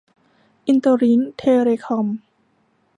อินเตอร์ลิ้งค์ เทเลคอม